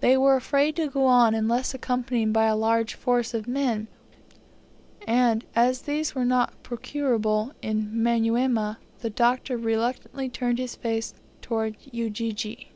They were afraid to go on unless accompanied by a large force of men; and, as these were not procurable in Manyuema, the Doctor reluctantly turned his face towards Ujiji.